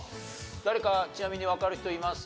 誰かちなみにわかる人います？